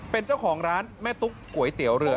เป็นเจ้าของร้านแม่ตุ๊กก๋วยเตี๋ยวเรือ